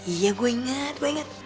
iya gua inget gua inget